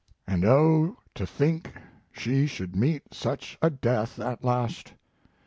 And, oh, to think she should meet such a death at last!